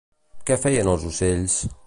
Què feien els ocells?